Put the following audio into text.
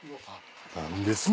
何ですの？